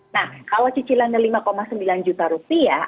nah kalau cicilannya lima sembilan juta rupiah